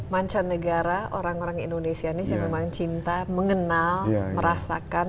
mancanegara orang orang indonesia ini yang memang cinta mengenal merasakan